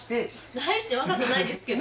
大して若くないですけど。